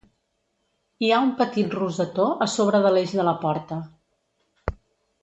Hi ha un petit rosetó a sobre de l'eix de la porta.